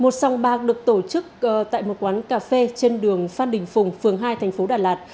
một song bạc được tổ chức tại một quán cà phê trên đường phan đình phùng phường hai thành phố đà lạt